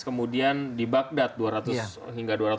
kemudian di bagdat dua ratus hingga dua ratus